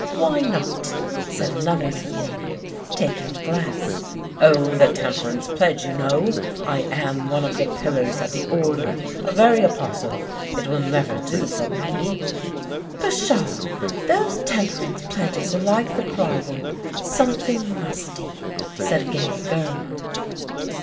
"Why not?" said another young lady, taking a glass. "O, the temperance pledge, you know! I am one of the pillars of the order, a very apostle; it will never do for me." "Pshaw! those temperance pledges are like the proverb, 'something musty,'" said a gay girl.